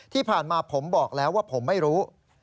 ที่ผ่านมาผมบอกแล้วว่าผมไม่รู้